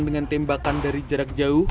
dengan tembakan dari jarak jauh